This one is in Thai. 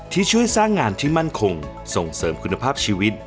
ที่ช่วยสร้างงานที่มั่นคงส่งเสริมคุณภาพชีวิต